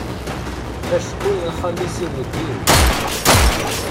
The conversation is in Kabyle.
Acku axxam-is ineggi.